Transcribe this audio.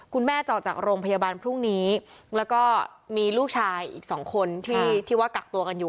คุณแม่จะออกจากโรงพยาบาลพรุ่งนี้แล้วก็มีลูกชายอีกสองคนที่ว่ากักตัวกันอยู่